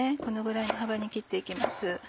このぐらいの幅に切って行きます。